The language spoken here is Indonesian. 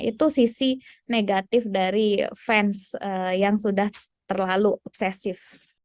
itu sisi negatif dari fans yang sudah terlalu obsesif